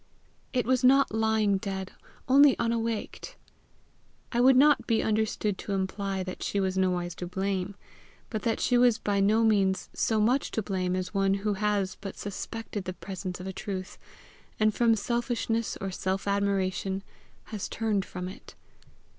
It was not lying dead, only unawaked. I would not be understood to imply that she was nowise to blame but that she was by no means so much to blame as one who has but suspected the presence of a truth, and from selfishness or self admiration has turned from it.